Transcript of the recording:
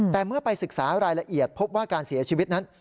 แต่เมื่อไปศึกษารายละเอียดพบว่าการเสียชีวิตนั้น